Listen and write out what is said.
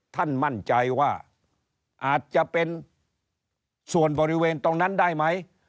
ท่านมั่นใจว่าอาจจะเป็นส่วนบริเวณตรงนั้นได้ไหม